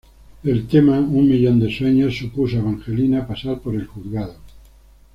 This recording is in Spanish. El tema "Un millón de sueños" supuso a Evangelina pasar por el juzgado.